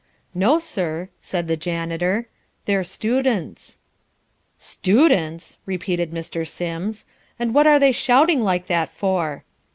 "No sir," said the janitor. "They're students." "Students?" repeated Mr. Sims. "And what are they shouting like that for?"